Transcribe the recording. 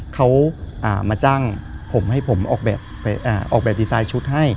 เขามาจ้างผมให้ผมออกแบบดีไซน์ชุดให้